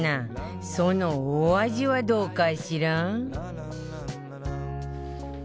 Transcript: そのお味はどうかしら？